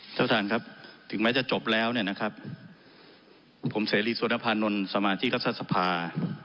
ท่านประธานครับถึงแม้จะจบแล้วเนี่ยนะครับผมเสรีสุวรรณภานนท์สมาชิกรัฐสภา